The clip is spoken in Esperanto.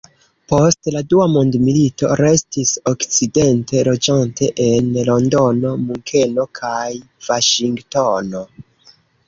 Post la dua mondmilito restis Okcidente, loĝante en Londono, Munkeno kaj Vaŝingtono.